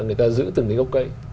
người ta giữ từng cái gốc cây